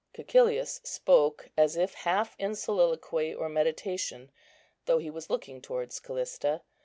Cæcilius spoke, as if half in soliloquy or meditation, though he was looking towards Callista.